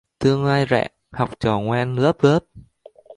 Tương lai rạng, học trò ngoan lớp lớp..